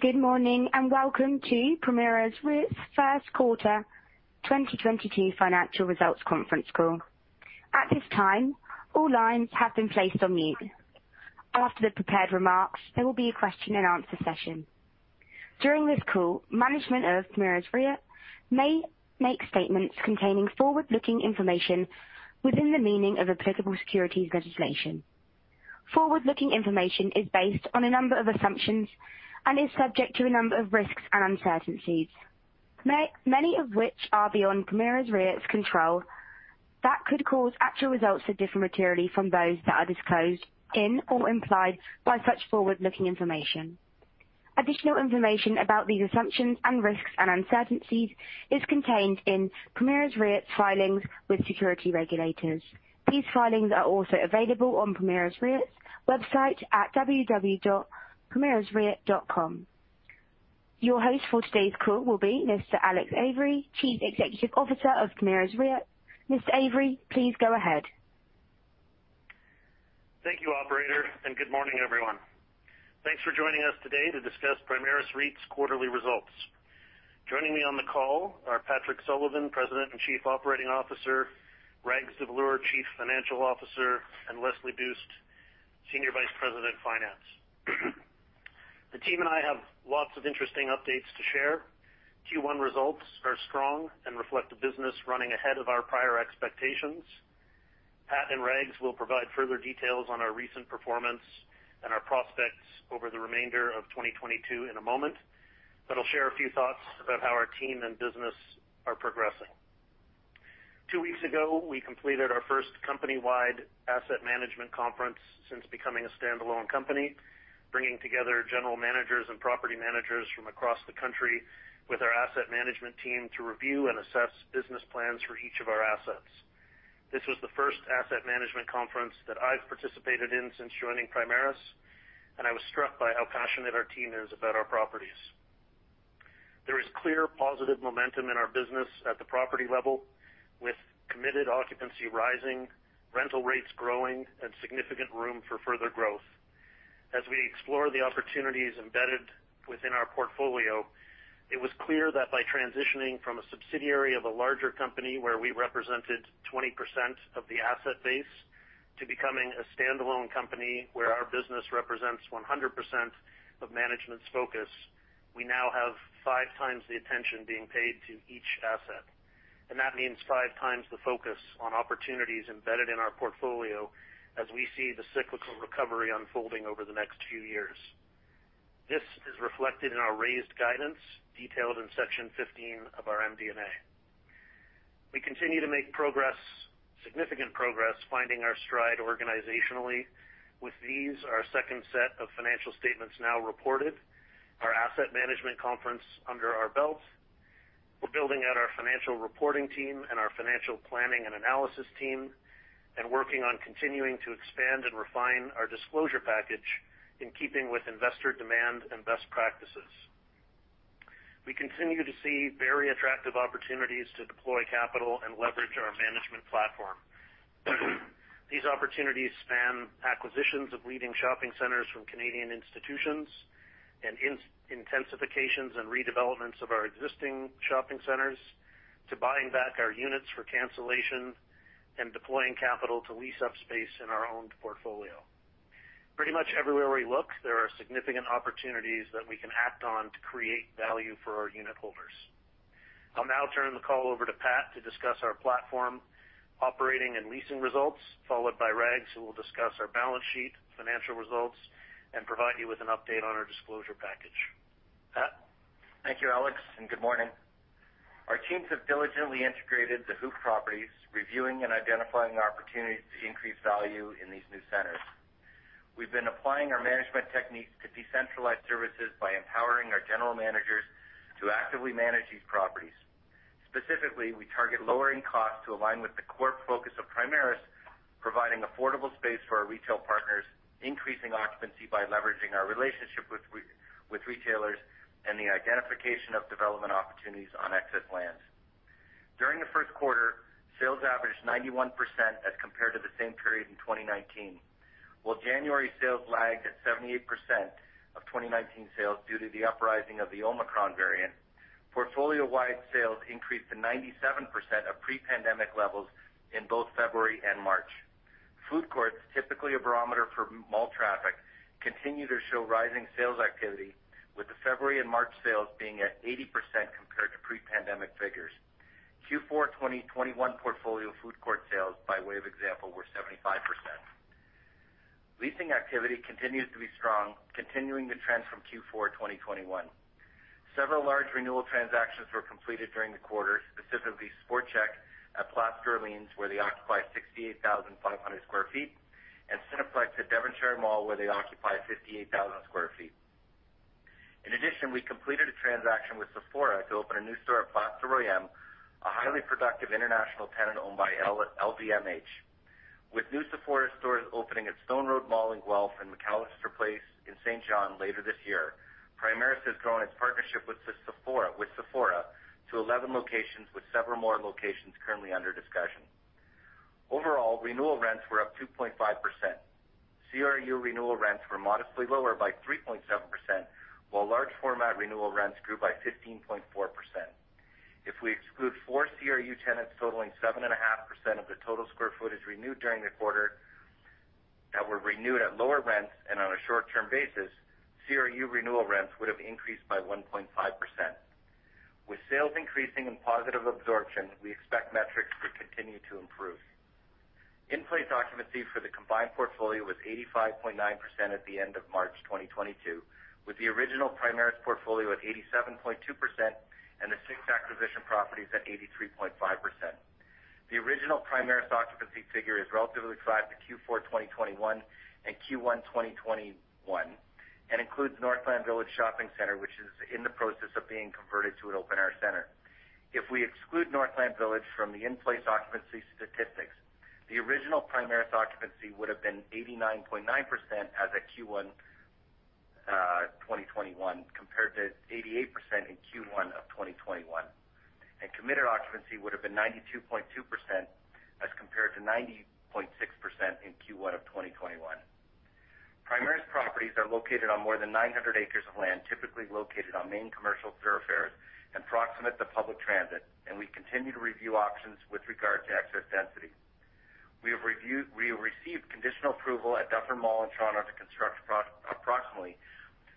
Good morning, and welcome to Primaris REIT's Q1 2022 financial results conference call. At this time, all lines have been placed on mute. After the prepared remarks, there will be a question and answer session. During this call, management of Primaris REIT may make statements containing forward-looking information within the meaning of applicable securities legislation. Forward-looking information is based on a number of assumptions and is subject to a number of risks and uncertainties. Many of which are beyond Primaris REIT's control that could cause actual results to differ materially from those that are disclosed in or implied by such forward-looking information. Additional information about these assumptions and risks and uncertainties is contained in Primaris REIT's filings with securities regulators. These filings are also available on Primaris REIT's website at www.primarisreit.com. Your host for today's call will be Mr. Alex Avery, Chief Executive Officer of Primaris REIT. Mr. Avery, please go ahead. Thank you, operator, and good morning, everyone. Thanks for joining us today to discuss Primaris REIT's quarterly results. Joining me on the call are Patrick Sullivan, President and Chief Operating Officer, Rags Davloor, Chief Financial Officer, and Leslie Buist, Senior Vice President of Finance. The team and I have lots of interesting updates to share. Q1 results are strong and reflect the business running ahead of our prior expectations. Pat and Rags will provide further details on our recent performance and our prospects over the remainder of 2022 in a moment, but I'll share a few thoughts about how our team and business are progressing. Two weeks ago, we completed our first company-wide asset management conference since becoming a standalone company, bringing together general managers and property managers from across the country with our asset management team to review and assess business plans for each of our assets. This was the first asset management conference that I've participated in since joining Primaris, and I was struck by how passionate our team is about our properties. There is clear positive momentum in our business at the property level, with committed occupancy rising, rental rates growing, and significant room for further growth. As we explore the opportunities embedded within our portfolio, it was clear that by transitioning from a subsidiary of a larger company where we represented 20% of the asset base to becoming a standalone company where our business represents 100% of management's focus, we now have 5x the attention being paid to each asset. That means 5x the focus on opportunities embedded in our portfolio as we see the cyclical recovery unfolding over the next few years. This is reflected in our raised guidance detailed in section 15 of our MD&A. We continue to make progress, significant progress, finding our stride organizationally. With these, our second set of financial statements now reported, our asset management conference under our belt. We're building out our financial reporting team and our financial planning and analysis team, and working on continuing to expand and refine our disclosure package in keeping with investor demand and best practices. We continue to see very attractive opportunities to deploy capital and leverage our management platform. These opportunities span acquisitions of leading shopping centers from Canadian institutions and intensifications and redevelopments of our existing shopping centers to buying back our units for cancellation and deploying capital to lease-up space in our owned portfolio. Pretty much everywhere we look, there are significant opportunities that we can act on to create value for our unit holders. I'll now turn the call over to Pat to discuss our platform operating and leasing results, followed by Rags, who will discuss our balance sheet, financial results, and provide you with an update on our disclosure package. Pat? Thank you, Alex, and good morning. Our teams have diligently integrated the H&R properties, reviewing and identifying opportunities to increase value in these new centers. We've been applying our management techniques to decentralize services by empowering our general managers to actively manage these properties. Specifically, we target lowering costs to align with the core focus of Primaris, providing affordable space for our retail partners, increasing occupancy by leveraging our relationship with retailers, and the identification of development opportunities on excess lands. During the Q1, sales averaged 91% as compared to the same period in 2019. While January sales lagged at 78% of 2019 sales due to the rise of the Omicron variant, portfolio-wide sales increased to 97% of pre-pandemic levels in both February and March. Food courts, typically a barometer for mall traffic, continue to show rising sales activity, with the February and March sales being at 80% compared to pre-pandemic figures. Q4 2021 portfolio food court sales, by way of example, were 75%. Leasing activity continues to be strong, continuing the trend from Q4 2021. Several large renewal transactions were completed during the quarter, specifically Sport Chek at Place d'Orléans, where they occupy 68,500 sq ft, and Cineplex at Devonshire Mall, where they occupy 58,000 sq ft. In addition, we completed a transaction with Sephora to open a new store at Place Ste-Foy, a highly productive international tenant owned by LVMH. With new Sephora stores opening at Stone Road Mall in Guelph and McAllister Place in Saint John later this year, Primaris has grown its partnership with Sephora to 11 locations, with several more locations currently under discussion. Overall, renewal rents were up 2.5%. CRU renewal rents were modestly lower by 3.7%, while large format renewal rents grew by 15.4%. If we exclude four CRU tenants totaling 7.5% of the total square footage renewed during the quarter that were renewed at lower rents and on a short-term basis, CRU renewal rents would have increased by 1.5%. With sales increasing in positive absorption, we expect metrics to continue to improve. In-place occupancy for the combined portfolio was 85.9% at the end of March 2022, with the original Primaris portfolio at 87.2% and the six acquisition properties at 83.5%. The original Primaris occupancy figure is relatively flat to Q4 2021 and Q1 2021, and includes Northland Village Shopping Center, which is in the process of being converted to an open-air center. If we exclude Northland Village from the in-place occupancy statistics, the original Primaris occupancy would have been 89.9% as at Q1 2022, compared to 88% in Q1 2021. Committed occupancy would have been 92.2% as compared to 90.6% in Q1 2021. Primaris properties are located on more than 900 acres of land, typically located on main commercial thoroughfares and proximate to public transit. We continue to review options with regard to excess density. We have received conditional approval at Dufferin Mall in Toronto to construct approximately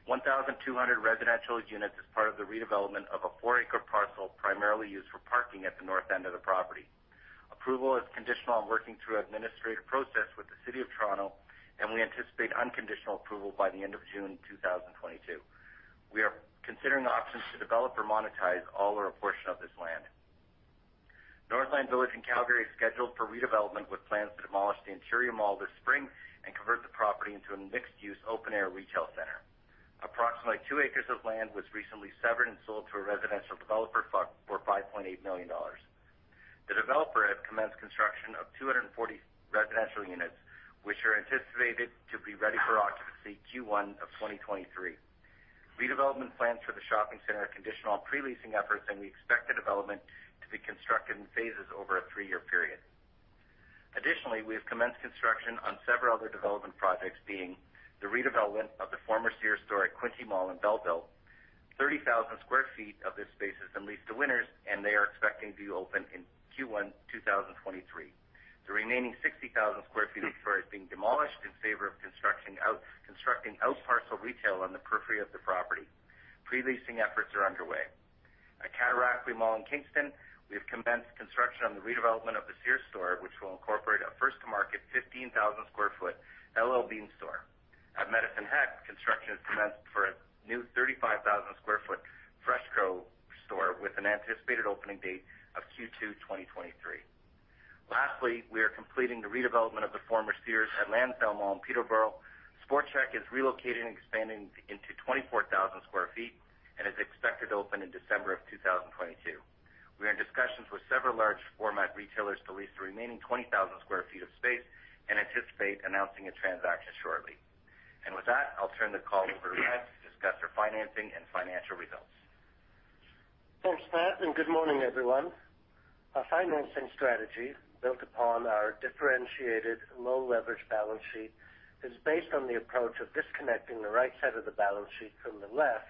1,200 residential units as part of the redevelopment of a four-acre parcel primarily used for parking at the north end of the property. Approval is conditional on working through administrative process with the city of Toronto, and we anticipate unconditional approval by the end of June 2022. We are considering options to develop or monetize all or a portion of this land. Northland Village in Calgary is scheduled for redevelopment, with plans to demolish the interior mall this spring and convert the property into a mixed-use, open-air retail center. Approximately two acres of land was recently severed and sold to a residential developer for 5.8 million dollars. The developer has commenced construction of 240 residential units, which are anticipated to be ready for occupancy Q1 of 2023. Redevelopment plans for the shopping center are conditional on pre-leasing efforts, and we expect the development to be constructed in phases over a three-year period. Additionally, we have commenced construction on several other development projects being the redevelopment of the former Sears store at Quinte Mall in Belleville. 30,000 sq ft of this space is then leased to Winners, and they are expecting to open in Q1 2023. The remaining 60,000 sq ft of space being demolished in favor of constructing outparcel retail on the periphery of the property. Pre-leasing efforts are underway. At Cataraqui Centre in Kingston, we have commenced construction on the redevelopment of the Sears store, which will incorporate a first to market 15,000 sq ft L.L.Bean store. At Medicine Hat, construction has commenced for a new 35,000 sq ft FreshCo store with an anticipated opening date of Q2 2023. Lastly, we are completing the redevelopment of the former Sears at Lansdowne Mall in Peterborough. Sport Chek is relocating and expanding into 24,000 sq ft and is expected to open in December 2022. We are in discussions with several large format retailers to lease the remaining 20,000 sq ft of space and anticipate announcing a transaction shortly. With that, I'll turn the call over to Rags to discuss our financing and financial results. Thanks, Pat, and good morning, everyone. Our financing strategy, built upon our differentiated low leverage balance sheet, is based on the approach of disconnecting the right side of the balance sheet from the left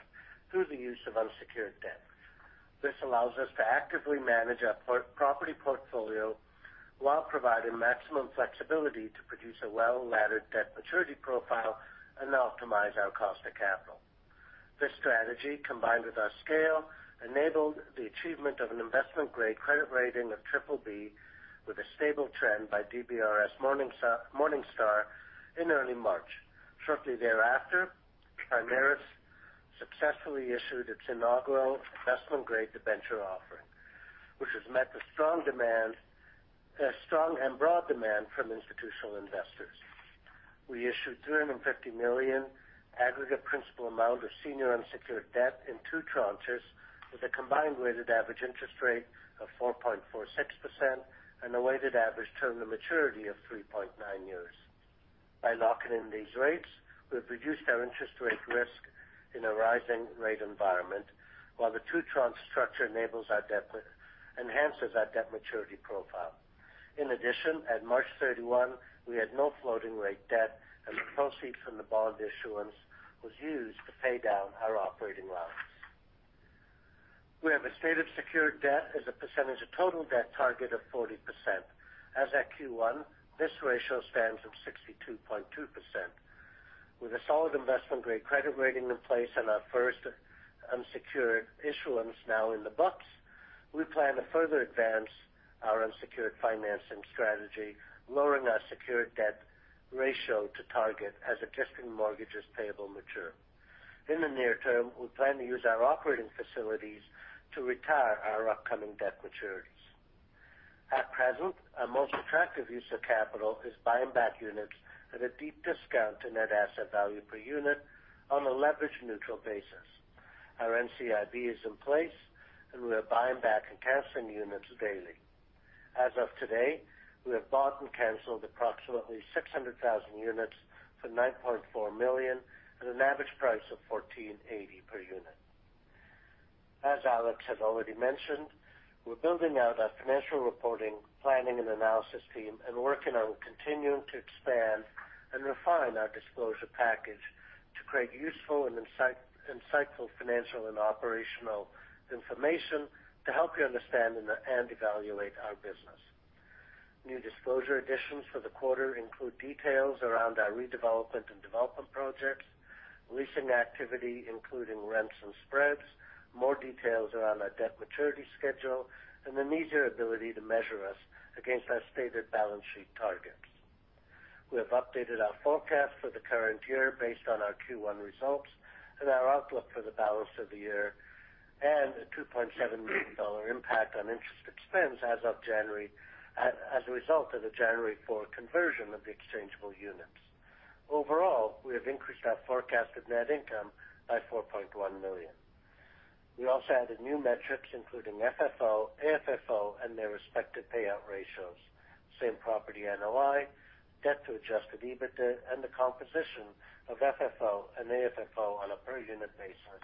through the use of unsecured debt. This allows us to actively manage our property portfolio while providing maximum flexibility to produce a well-laddered debt maturity profile and optimize our cost of capital. This strategy, combined with our scale, enabled the achievement of an investment-grade credit rating of triple B with a stable trend by DBRS Morningstar in early March. Shortly thereafter, Primaris successfully issued its inaugural investment-grade debenture offering, which has met the strong and broad demand from institutional investors. We issued 350 million aggregate principal amount of senior unsecured debt in two tranches, with a combined weighted average interest rate of 4.46% and a weighted average term to maturity of 3.9 years. By locking in these rates, we have reduced our interest rate risk in a rising rate environment, while the two tranche structure enhances our debt maturity profile. In addition, at March 31, we had no floating rate debt, and the proceeds from the bond issuance was used to pay down our operating loans. We have a stated secured debt as a percentage of total debt target of 40%. As at Q1, this ratio stands at 62.2%. With a solid investment-grade credit rating in place and our first unsecured issuance now in the books, we plan to further advance our unsecured financing strategy, lowering our secured debt ratio to target as existing mortgages payable mature. In the near term, we plan to use our operating facilities to retire our upcoming debt maturities. At present, our most attractive use of capital is buying back units at a deep discount to net asset value per unit on a leverage neutral basis. Our NCIB is in place, and we are buying back and canceling units daily. As of today, we have bought and canceled approximately 600,000 units for 9.4 million at an average price of 14.80 per unit. As Alex has already mentioned, we're building out our financial reporting, planning, and analysis team and working on continuing to expand and refine our disclosure package to create useful and insightful financial and operational information to help you understand and evaluate our business. New disclosure additions for the quarter include details around our redevelopment and development projects, leasing activity, including rents and spreads, more details around our debt maturity schedule, and an easier ability to measure us against our stated balance sheet targets. We have updated our forecast for the current year based on our Q1 results and our outlook for the balance of the year, and a 2.7 million dollar impact on interest expense as a result of the January 4th conversion of the exchangeable units. Overall, we have increased our forecasted net income by 4.1 million. We also added new metrics including FFO, AFFO, and their respective payout ratios, same property NOI, debt to adjusted EBITDA, and the composition of FFO and AFFO on a per unit basis,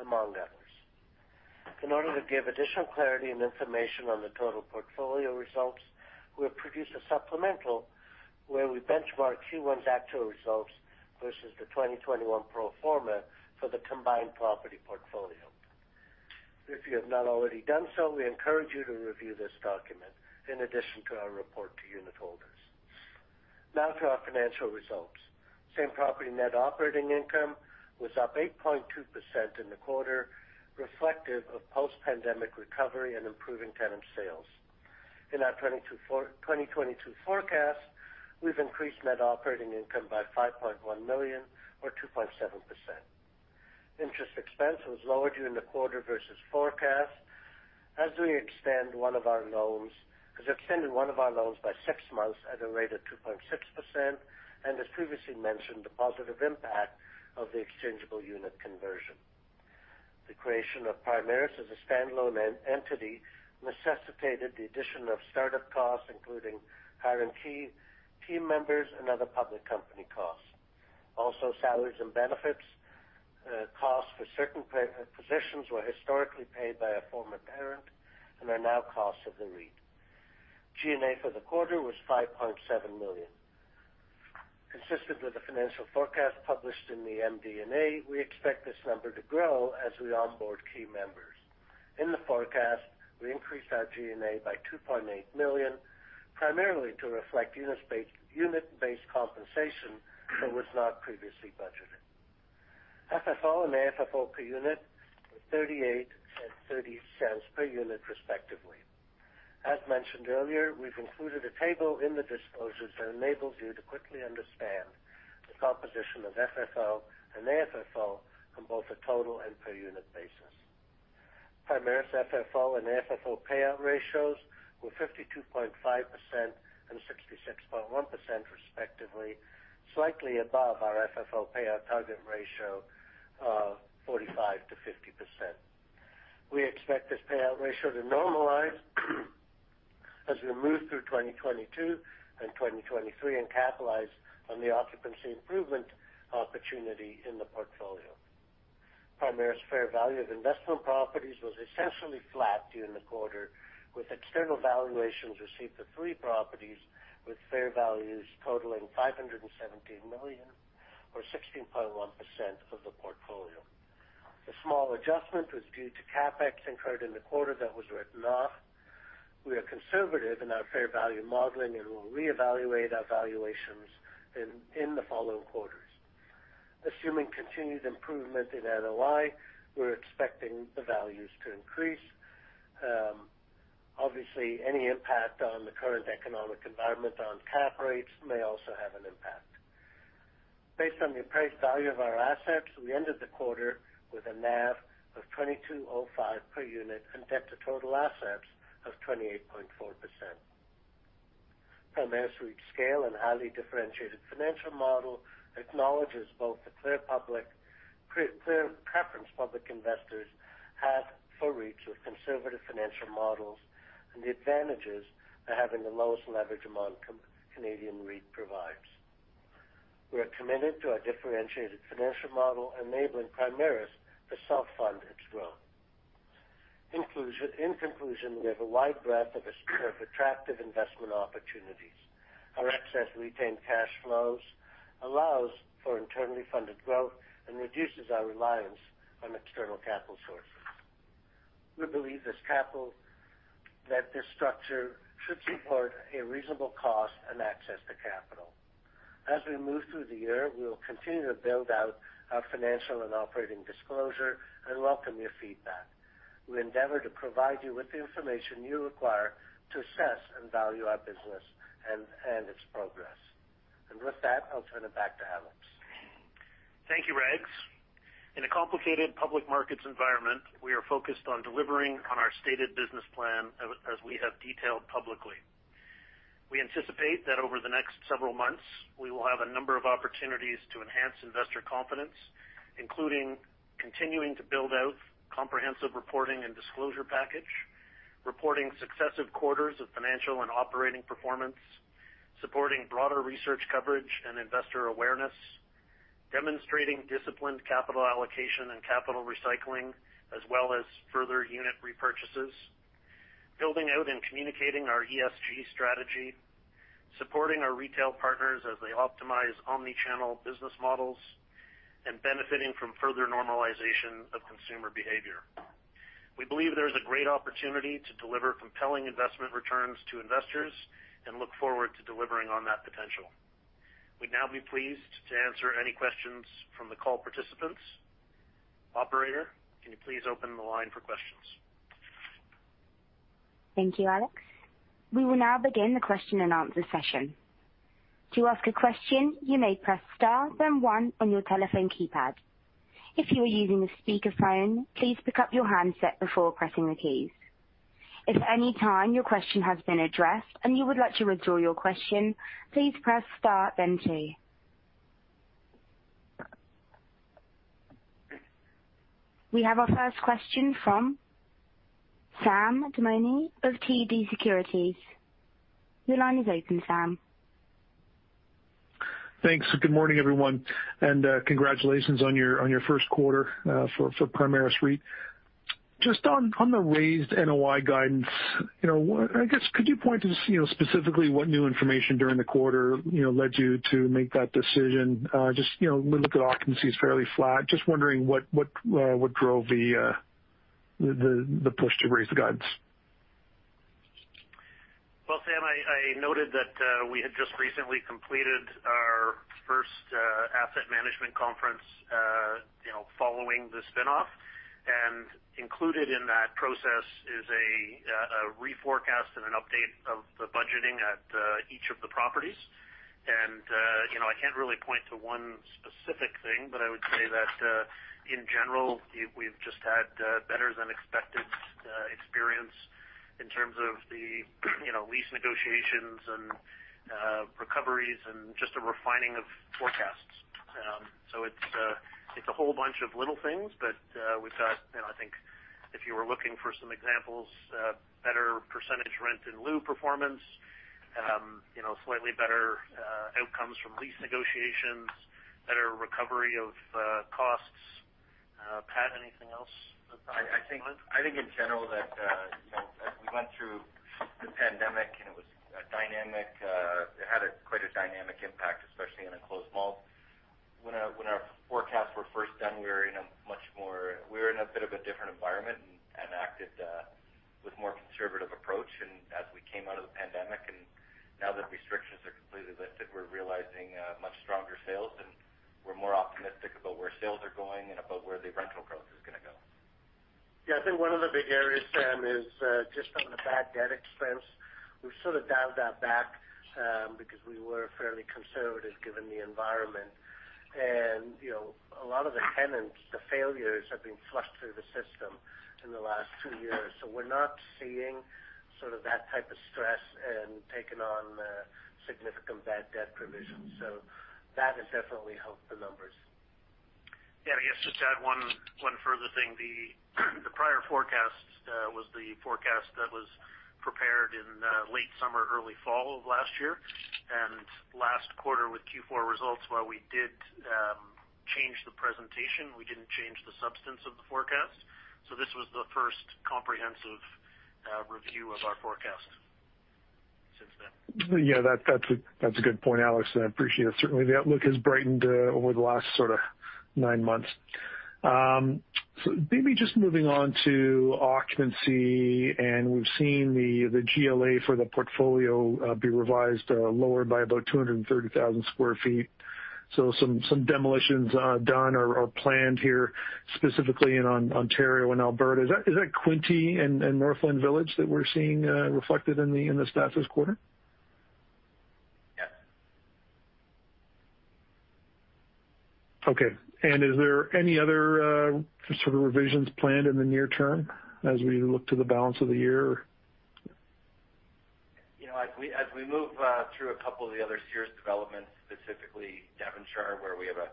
among others. In order to give additional clarity and information on the total portfolio results, we have produced a supplemental where we benchmark Q1's actual results versus the 2021 pro forma for the combined property portfolio. If you have not already done so, we encourage you to review this document in addition to our report to unit holders. Now to our financial results. Same-property net operating income was up 8.2% in the quarter, reflective of post-pandemic recovery and improving tenant sales. In our 2022 forecast, we've increased net operating income by 5.1 million or 2.7%. Interest expense was lower during the quarter versus forecast as we have extended one of our loans by six months at a rate of 2.6%, and as previously mentioned, the positive impact of the exchangeable unit conversion. The creation of Primaris as a standalone entity necessitated the addition of startup costs, including hiring key team members and other public company costs. Salaries and benefits costs for certain positions were historically paid by a former parent and are now costs of the REIT. G&A for the quarter was 5.7 million. Consistent with the financial forecast published in the MD&A, we expect this number to grow as we onboard key members. In the forecast, we increased our G&A by 2.8 million, primarily to reflect unit-based compensation that was not previously budgeted. FFO and AFFO per unit was 0.38 and 0.30 per unit, respectively. As mentioned earlier, we've included a table in the disclosures that enables you to quickly understand the composition of FFO and AFFO on both a total and per unit basis. Primaris FFO and AFFO payout ratios were 52.5% and 66.1% respectively, slightly above our FFO payout target ratio of 45%-50%. We expect this payout ratio to normalize as we move through 2022 and 2023 and capitalize on the occupancy improvement opportunity in the portfolio. Primaris fair value of investment properties was essentially flat during the quarter, with external valuations received for three properties with fair values totaling 517 million or 16.1% of the portfolio. The small adjustment was due to CapEx incurred in the quarter that was written off. We are conservative in our fair value modeling and will reevaluate our valuations in the following quarters. Assuming continued improvement in NOI, we're expecting the values to increase. Obviously, any impact on the current economic environment on cap rates may also have an impact. Based on the appraised value of our assets, we ended the quarter with a NAV of 22.05 per unit and debt to total assets of 28.4%. Primaris REIT's scale and highly differentiated financial model acknowledges both the clear preference public investors have for REITs with conservative financial models and the advantages of having the lowest leverage among Canadian REIT providers. We are committed to our differentiated financial model, enabling Primaris to self-fund its growth. In conclusion, we have a wide breadth of attractive investment opportunities. Our excess retained cash flows allows for internally funded growth and reduces our reliance on external capital sources. We believe that this structure should support a reasonable cost and access to capital. As we move through the year, we will continue to build out our financial and operating disclosure and welcome your feedback. We endeavor to provide you with the information you require to assess and value our business and its progress. With that, I'll turn it back to Alex. Thank you, Rags. In a complicated public markets environment, we are focused on delivering on our stated business plan as we have detailed publicly. We anticipate that over the next several months, we will have a number of opportunities to enhance investor confidence, including continuing to build out comprehensive reporting and disclosure package, reporting successive quarters of financial and operating performance, supporting broader research coverage and investor awareness. Demonstrating disciplined capital allocation and capital recycling, as well as further unit repurchases. Building out and communicating our ESG strategy. Supporting our retail partners as they optimize omni-channel business models. Benefiting from further normalization of consumer behavior. We believe there's a great opportunity to deliver compelling investment returns to investors and look forward to delivering on that potential. We'd now be pleased to answer any questions from the call participants. Operator, can you please open the line for questions? Thank you, Alex. We will now begin the question-and-answer session. To ask a question, you may press star then one on your telephone keypad. If you are using a speakerphone, please pick up your handset before pressing the keys. If at any time your question has been addressed and you would like to withdraw your question, please press star then two. We have our first question from Sam Damiani of TD Securities. Your line is open, Sam. Thanks. Good morning, everyone, and congratulations on your Q1 for Primaris REIT. Just on the raised NOI guidance, you know, I guess could you point to, you know, specifically what new information during the quarter, you know, led you to make that decision? Just, you know, we look at occupancy is fairly flat. Just wondering what drove the push to raise the guidance? Well, Sam, I noted that we had just recently completed our first asset management conference you know, following the spin-off. Included in that process is a reforecast and an update of the budgeting at each of the properties. You know, I can't really point to one specific thing, but I would say that in general, we've just had better than expected experience in terms of the you know, lease negotiations and recoveries and just a refining of forecasts. It's a whole bunch of little things, but we've had you know, I think if you were looking for some examples, better percentage rent in lieu performance you know, slightly better outcomes from lease negotiations, better recovery of costs. Pat, anything else to add on? I think in general that, you know, as we went through the pandemic and it had quite a dynamic impact, especially in enclosed malls. When our forecasts were first done, we were in a bit of a different environment and acted with more conservative approach. As we came out of the pandemic and now that restrictions are completely lifted, we're realizing much stronger sales, and we're more optimistic about where sales are going and about where the rental growth is gonna go. Yeah. I think one of the big areas, Sam, is just on the bad debt expense. We've sort of dialed that back because we were fairly conservative given the environment. You know, a lot of the tenants, the failures have been flushed through the system in the last two years. We're not seeing sort of that type of stress and taking on significant bad debt provisions. That has definitely helped the numbers. Yeah. I guess just to add one further thing. The prior forecast was the forecast that was prepared in late summer, early fall of last year. Last quarter with Q4 results, while we did change the presentation, we didn't change the substance of the forecast. This was the first comprehensive review of our forecast since then. Yeah, that's a good point, Alex, and I appreciate it. Certainly, the outlook has brightened over the last sort of nine months. Maybe just moving on to occupancy, and we've seen the GLA for the portfolio be revised or lowered by about 230,000 sq ft. Some demolitions done or planned here, specifically in Ontario and Alberta. Is that Quinte and Northland Village that we're seeing reflected in the stats this quarter? Yes. Okay. Is there any other, sort of revisions planned in the near term as we look to the balance of the year? You know, as we move through a couple of the other Sears developments, specifically Devonshire, where we have a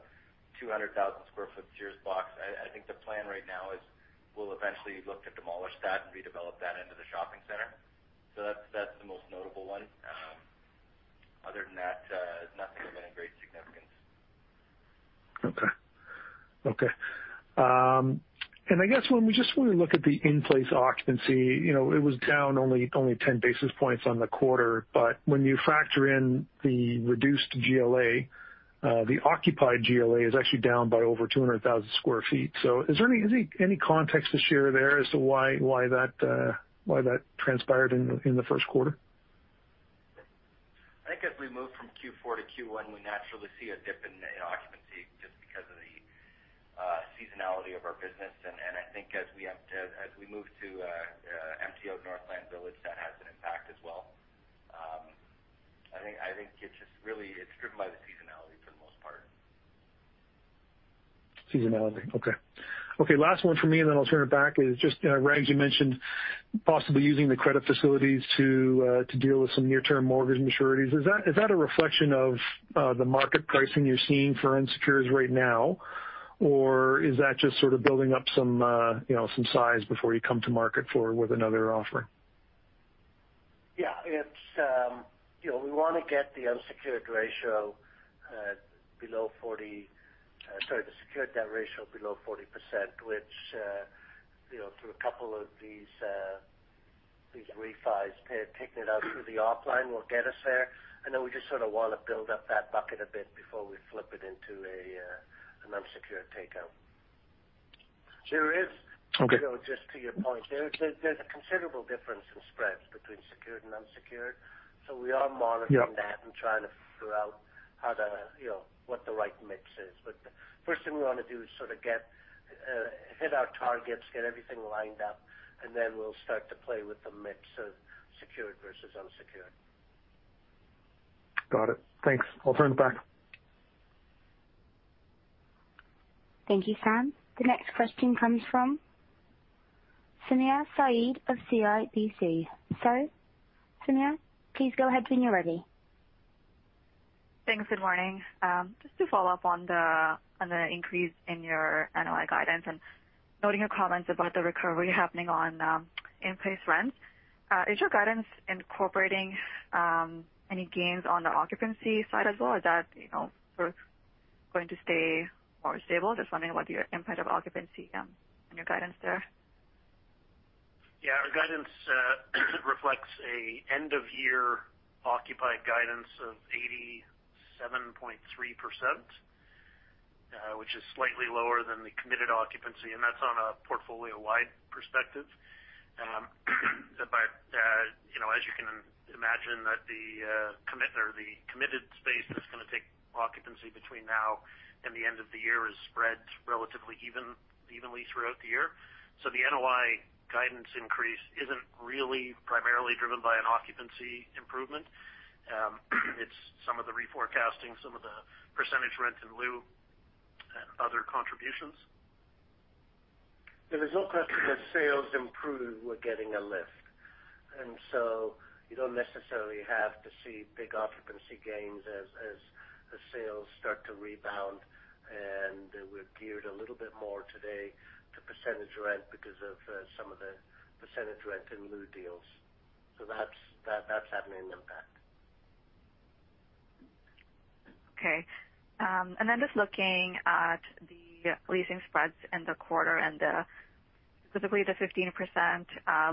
200,000 sq ft Sears box, I think the plan right now is we'll eventually look to demolish that and redevelop that into the shopping center. That's the most notable one. Other than that, nothing of any great significance. I guess when we just wanna look at the in-place occupancy, you know, it was down only 10 basis points on the quarter. When you factor in the reduced GLA, the occupied GLA is actually down by over 200,000 sq ft. Is there any context to share there as to why that transpired in the first quarter? I think as we move from Q4 to Q1, we naturally see a dip in occupancy just because of the seasonality of our business. I think as we move to MTO Northland Village, that has an impact as well. I think it's just really driven by the seasonality for the most part. Seasonality. Okay, last one for me, and then I'll turn it back, is just, you know, Rags, you mentioned possibly using the credit facilities to deal with some near-term mortgage maturities. Is that a reflection of the market pricing you're seeing for unsecured right now? Or is that just sort of building up some, you know, some size before you come to market with another offer? Yeah, it's, you know, we wanna get the secured debt ratio below 40%, which, you know, through a couple of these refis, taking it out through the op line will get us there. Then we just sort of wanna build up that bucket a bit before we flip it into an unsecured takeout. There is, You know, just to your point, there's a considerable difference in spreads between secured and unsecured, so we are monitoring. Yeah. That and trying to figure out how to, you know, what the right mix is. The first thing we wanna do is sort of hit our targets, get everything lined up, and then we'll start to play with the mix of secured versus unsecured. Got it. Thanks. I'll turn it back. Thank you, Sam. The next question comes from Sumayya Syed of CIBC. Sumayya, please go ahead when you're ready. Thanks. Good morning. Just to follow up on the increase in your NOI guidance and noting your comments about the recovery happening on in-place rents, is your guidance incorporating any gains on the occupancy side as well? Or that, you know, sort of going to stay more stable? Just wondering what your input on occupancy and your guidance there. Yeah. Our guidance reflects an end of year occupied guidance of 87.3%, which is slightly lower than the committed occupancy, and that's on a portfolio-wide perspective. But you know, as you can imagine that the committed space that's gonna take occupancy between now and the end of the year is spread relatively evenly throughout the year. The NOI guidance increase isn't really primarily driven by an occupancy improvement. It's some of the reforecasting, some of the percentage rent in lieu and other contributions. There is no question that sales improved, we're getting a lift. You don't necessarily have to see big occupancy gains as the sales start to rebound, and we're geared a little bit more today to percentage rent because of some of the percentage rent in lieu deals. That's having an impact. Okay. Then just looking at the leasing spreads in the quarter and specifically the 15%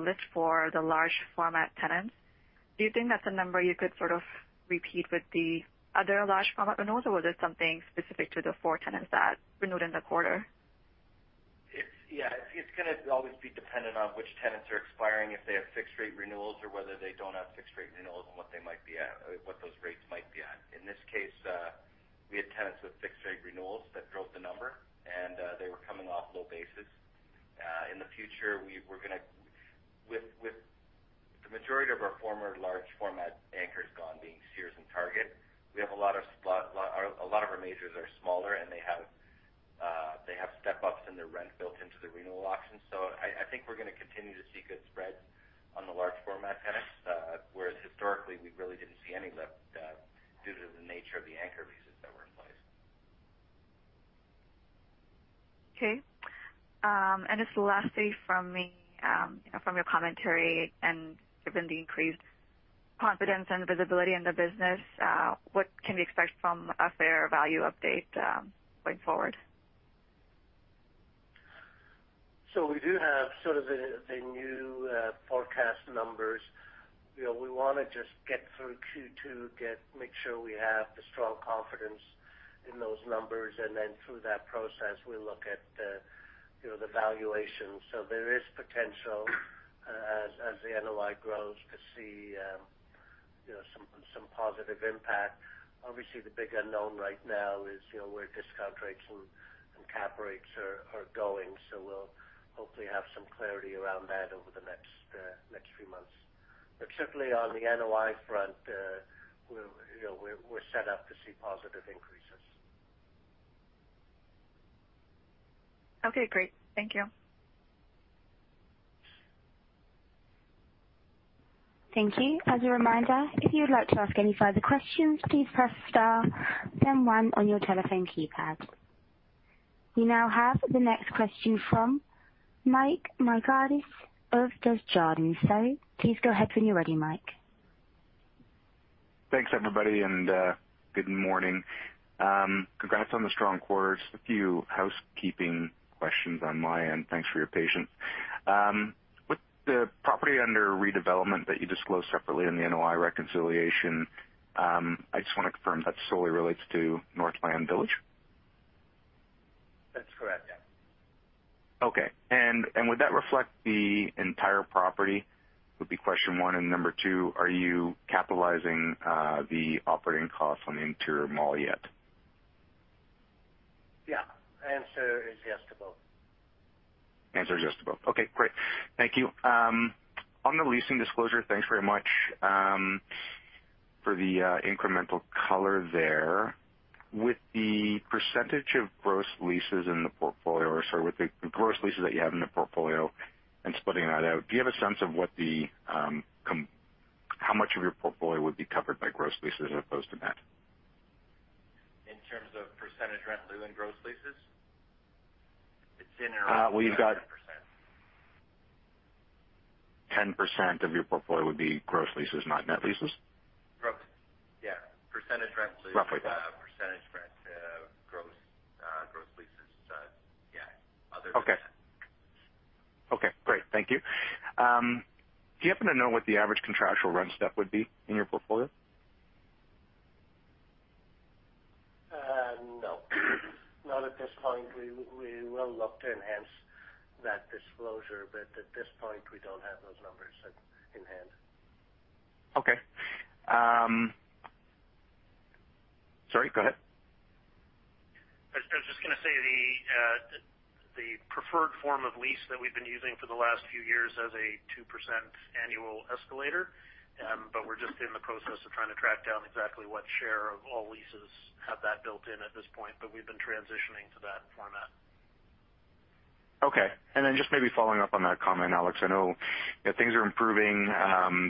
lift for the large format tenants. Do you think that's a number you could sort of repeat with the other large format renewals? Or was it something specific to the four tenants that renewed in the quarter? It's gonna always be dependent on which tenants are expiring, if they have fixed rate renewals or whether they don't have fixed rate renewals and what they might be at, what those rates might be at. In this case, we had tenants with fixed rate renewals that drove the number, and they were coming off low bases. In the future, with the majority of our former large format anchors gone being Sears and Target, we have a lot of our majors are smaller, and they have step-ups in their rent built into the renewal options. I think we're gonna continue to see good spreads on the large format tenants, whereas historically, we really didn't see any lift, due to the nature of the anchor leases that were in place. Okay. Just lastly from me, from your commentary and given the increased confidence and visibility in the business, what can we expect from a fair value update, going forward? We do have sort of the new forecast numbers. You know, we wanna just get through Q2, make sure we have the strong confidence in those numbers, and then through that process, we look at the, you know, valuation. There is potential as the NOI grows to see you know some positive impact. Obviously, the big unknown right now is you know where discount rates and cap rates are going. We'll hopefully have some clarity around that over the next few months. But certainly on the NOI front, we're you know set up to see positive increases. Okay, great. Thank you. Thank you. As a reminder, if you would like to ask any further questions, please press star then one on your telephone keypad. We now have the next question from Mike Markidis of Desjardins. Please go ahead when you're ready, Mike. Thanks, everybody, and good morning. Congrats on the strong quarters. A few housekeeping questions on my end. Thanks for your patience. With the property under redevelopment that you disclosed separately in the NOI reconciliation, I just wanna confirm that solely relates to Northland Village? That's correct. Yeah. Okay. Would that reflect the entire property? Would be question one. Number two, are you capitalizing the operating costs on the interior mall yet? Yeah. Answer is yes to both. Answer is yes to both. Okay, great. Thank you. On the leasing disclosure, thanks very much for the incremental color there. With the percentage of gross leases in the portfolio or sorry, with the gross leases that you have in the portfolio and splitting that out, do you have a sense of how much of your portfolio would be covered by gross leases as opposed to net? In terms of percentage rent due in gross leases. It's in and around the 10%. We've got 10% of your portfolio would be gross leases, not net leases? Gross. Yeah. Percentage rent leases- Roughly that. Percentage rent, gross leases. Yeah. Other than that. Okay. Okay, great. Thank you. Do you happen to know what the average contractual rent step would be in your portfolio? No. Not at this point. We will look to enhance that disclosure, but at this point, we don't have those numbers in hand. Okay. Sorry, go ahead. I was just gonna say the preferred form of lease that we've been using for the last few years has a 2% annual escalator. We're just in the process of trying to track down exactly what share of all leases have that built in at this point. We've been transitioning to that format. Okay. Just maybe following up on that comment, Alex, I know that things are improving,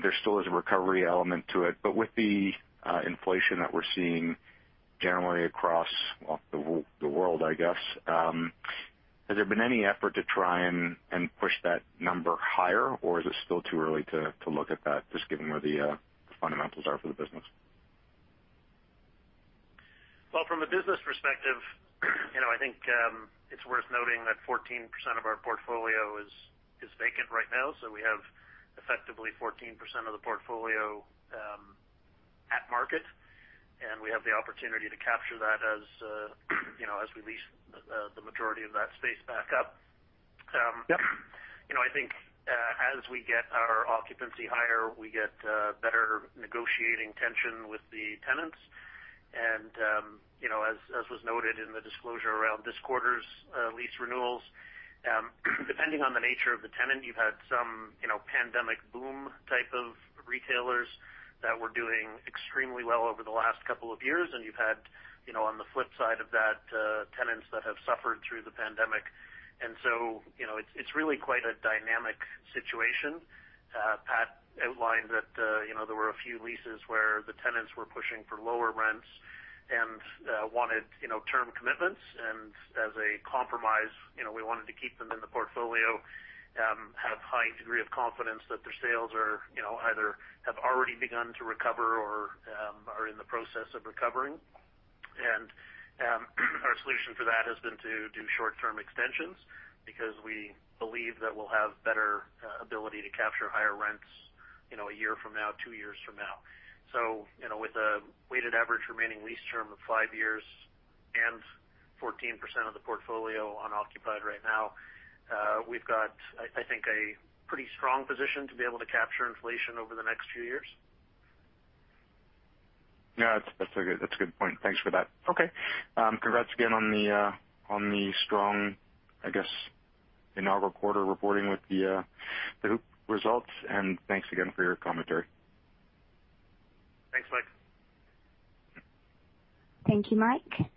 there still is a recovery element to it, but with the inflation that we're seeing generally across, well, the world, I guess, has there been any effort to try and push that number higher, or is it still too early to look at that, just given where the fundamentals are for the business? Well, from a business perspective, you know, I think, it's worth noting that 14% of our portfolio is vacant right now. We have effectively 14% of the portfolio at market, and we have the opportunity to capture that as, you know, as we lease the majority of that space back up. Yep. You know, I think, as we get our occupancy higher, we get, better negotiating tension with the tenants. You know, as was noted in the disclosure around this quarter's lease renewals, depending on the nature of the tenant, you've had some, you know, pandemic boom type of retailers that were doing extremely well over the last couple of years. You've had, you know, on the flip side of that, tenants that have suffered through the pandemic. You know, it's really quite a dynamic situation. Pat outlined that, you know, there were a few leases where the tenants were pushing for lower rents and, wanted, you know, term commitments. As a compromise, you know, we wanted to keep them in the portfolio, have high degree of confidence that their sales are, you know, either have already begun to recover or, are in the process of recovering. Our solution for that has been to do short-term extensions because we believe that we'll have better ability to capture higher rents, you know, a year from now, two years from now. You know, with a weighted average remaining lease term of five years and 14% of the portfolio unoccupied right now, we've got, I think, a pretty strong position to be able to capture inflation over the next few years. Yeah, that's a good point. Thanks for that. Okay. Congrats again on the strong, I guess, inaugural quarter reporting with the HOOP results. Thanks again for your commentary. Thanks, Mike. Thank you, Mike.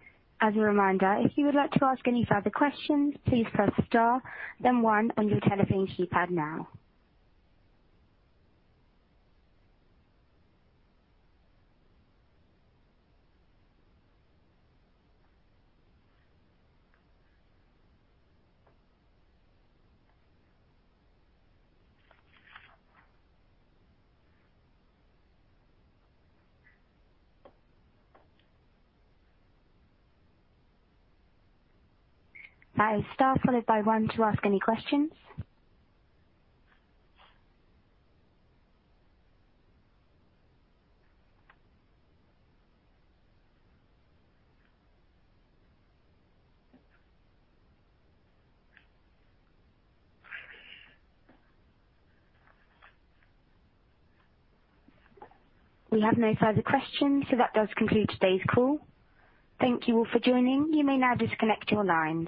As a reminder, if you would like to ask any further questions, please press star then one on your telephone keypad now. That is star followed by one to ask any questions. We have no further questions, so that does conclude today's call. Thank you all for joining. You may now disconnect your lines.